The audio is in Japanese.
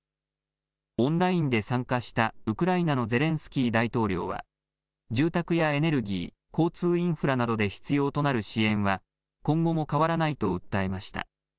オンラインで参加したウクライナのゼレンスキー大統領は住宅やエネルギー、交通インフラなどで必要となる支援は今後も変わらないと訴えました。